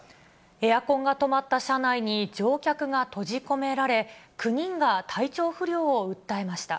エアコンが止まった車内に乗客が閉じ込められ、９人が体調不良を訴えました。